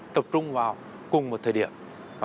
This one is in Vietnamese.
tập trung vào cùng một thời điểm